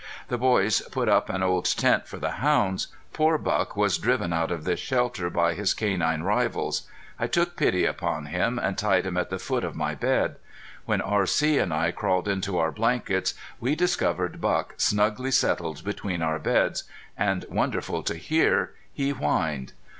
The boys put up an old tent for the hounds. Poor Buck was driven out of this shelter by his canine rivals. I took pity upon him, and tied him at the foot of my bed. When R.C. and I crawled into our blankets we discovered Buck snugly settled between our beds, and wonderful to hear, he whined.